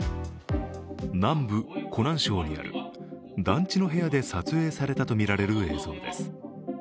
南部湖南省にある団地の部屋で撮影されたとみられる映像です。